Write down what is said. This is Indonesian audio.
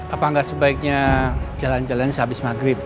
apakah sebaiknya jalan jalan sehabis maghrib